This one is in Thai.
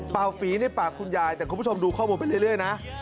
ฝีในปากคุณยายแต่คุณผู้ชมดูข้อมูลไปเรื่อยนะ